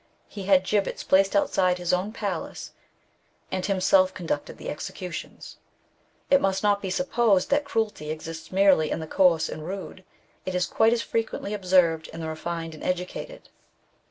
He had gibbets placed outside his own palace, and himself conducted the executions. ^v It must not be supposed that cruelty exists merely in the coarse and rude ; it is quite as frequently observed in the refined and educated.